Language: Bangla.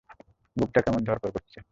বুকটা কেমন ধড়ফড় করছে!